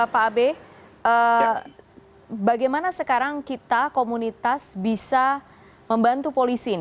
pak abe bagaimana sekarang kita komunitas bisa membantu polisi ini